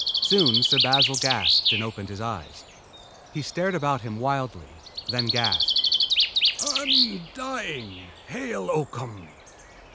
Soon Sir Basil gasped and opened his eyes. He stared about him wildly, then gasped: "I'm dying, Hale Oakham!